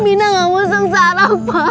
vina gak mau sengsara pa